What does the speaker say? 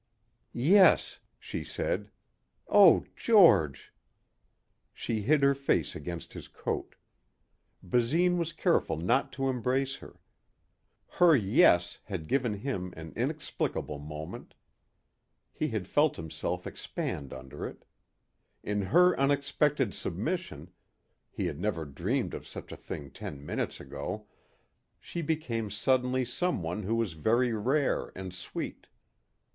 "Yes," she said. "Oh George." She hid her face against his coat. Basine was careful not to embrace her. Her "yes" had given him an inexplicable moment. He had felt himself expand under it. In her unexpected submission he had never dreamed of such a thing ten minutes ago she became suddenly someone who was very rare and sweet.